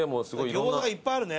餃子がいっぱいあるね。